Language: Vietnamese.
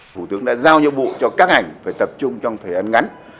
thủ tướng đã giao nhiệm vụ cho các ngành phải tập trung trong thời gian ngắn